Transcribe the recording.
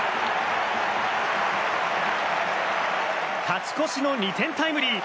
勝ち越しの２点タイムリー。